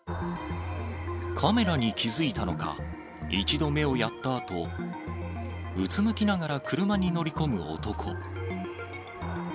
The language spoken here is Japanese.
カメラに気付いたのか、一度目をやったあと、うつむきながら車に乗り込む男。